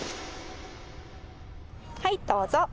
はいどうぞ。